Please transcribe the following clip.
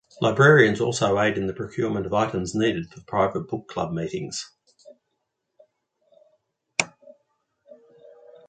Librarians also aid in the procurement of items needed for private book club meetings.